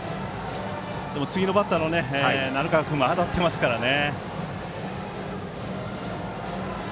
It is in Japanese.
次のバッターの鳴川君も当たっていますからね。